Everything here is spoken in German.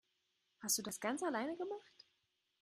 Hast du das ganz alleine gemacht?